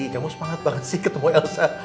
kamu semangat banget sih ketemu elsa